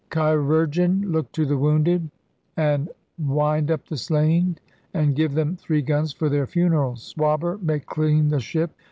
... 'Chirurgeon, look to the wounded, and wind up the slain, and give them three guns for their funerals! Swabber, make clean the ship!